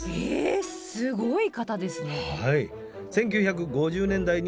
すごい方ですね！